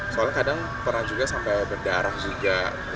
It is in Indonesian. soalnya kadang pernah juga sampai berdarah juga